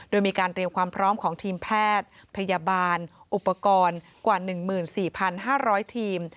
โดยมีการเตรียมความพร้อมของทีมแพทย์พยาบาลอุปกรณ์กว่า๑๔๕๐๐ทีม